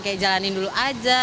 kayak jalanin dulu aja